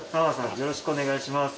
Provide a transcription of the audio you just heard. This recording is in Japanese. よろしくお願いします。